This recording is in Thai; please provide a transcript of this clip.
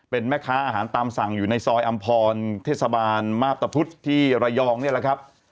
เป็นแม่ค้าอาหารตามสั่งอยู่ในซอยอำพรเทศบาลมาพตะพุธที่ระยองนี่แหละครับ